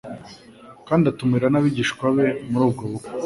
kandi atumira n'abigishwa be muri ubwo bukwe.